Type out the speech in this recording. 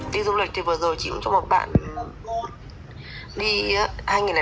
đi du lịch thì vừa rồi chị cũng cho một bạn đi hai nghìn năm đi